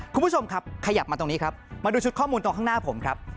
คุณผู้ชมครับขยับมาตรงนี้ครับมาดูชุดข้อมูลตรงข้างหน้าผมครับ